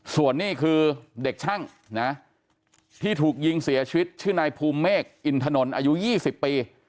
ส่วนนี้คือเด็กช่างนะที่ถูกยิงเสียชีวิตชื่อนายภูมิเมฆอินถนนอายุ๒๐ปี